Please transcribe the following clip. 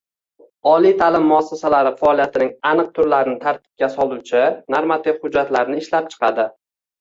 oliy ta’lim muassasalari faoliyatining aniq turlarini tartibga soluvchi normativ hujjatlarni ishlab chiqadi